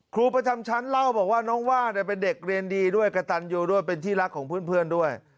ครูประจำชั้นเล่าบอกว่าน้องว่าเป็นเด็กเรียนดีด้วยกระตันยูด้วยเป็นที่รักของเพื่อนด้วย